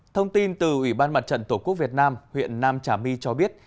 thông tin từ ủy ban mặt trận tổ quốc việt nam huyện nam trà my cho biết